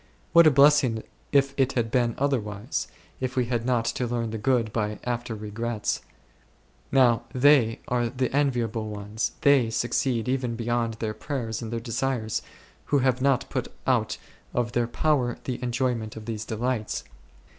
What a blessing if it had been otherwise, if we had not to learn the good by after regrets ! Now they are the enviable ones, they succeed even beyond their prayers and their desires, who have not put out of their power the enjoyment of these delights.